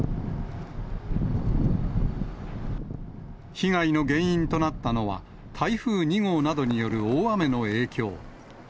被害の原因となったのは、台風２号などによる大雨の影響。